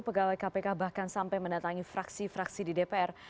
pegawai kpk bahkan sampai mendatangi fraksi fraksi di dpr